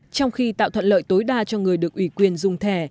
trong khi tạo thuận lợi tối đa cho người được ủy quyền dùng thẻ